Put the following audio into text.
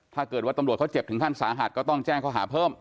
ถ้าเกิดว่าตำรวจเขาเจ็บถึงขั้นสาหัสก็ต้องแจ้งข้อหาเพิ่ม